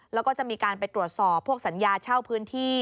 แล้วก็จะมีการไปตรวจสอบพวกสัญญาเช่าพื้นที่